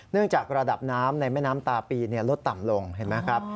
จากระดับน้ำในแม่น้ำตาปีลดต่ำลงเห็นไหมครับ